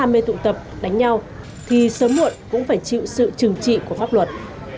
mê tụ tập đánh nhau thì sớm muộn cũng phải chịu sự trừng trị của pháp luật